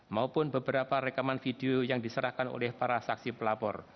maupun beberapa rekaman video yang diserahkan oleh para saksi pelapor